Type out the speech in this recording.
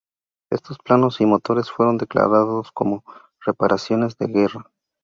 Estos planos y motores fueron declarados como reparaciones de guerra.